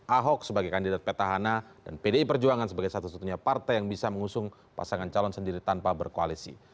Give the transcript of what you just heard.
ahok sebagai kandidat petahana dan pdi perjuangan sebagai satu satunya partai yang bisa mengusung pasangan calon sendiri tanpa berkoalisi